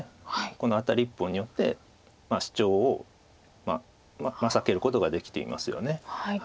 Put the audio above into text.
このアタリ１本によってシチョウを避けることができていますよね。